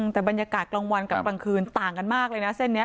แต่บรรยากาศกลางวันกับกลางคืนต่างกันมากเลยนะเส้นนี้